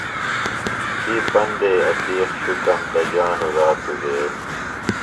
تھی پندے عتیقؔ، شُکم دجانوۡ رات و دیس۔